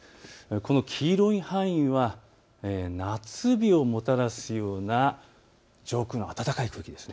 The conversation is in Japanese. この黄色い範囲は夏日をもたらすような上空の暖かい空気です。